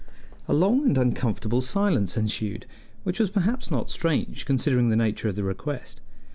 A long and uncomfortable silence ensued, which was perhaps not strange, considering the nature of the request.